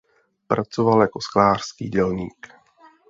Pracoval jako sklářský dělník.